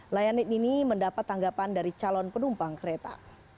layanan it ini mendapat tanggapan dari calon penumpang kereta